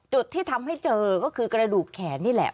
จุดที่ทำให้เจอก็คือกระดูกแขนนี่แหละ